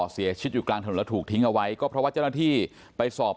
เสียชีวิตอยู่กลางถนนแล้วถูกทิ้งเอาไว้ก็เพราะว่าเจ้าหน้าที่ไปสอบ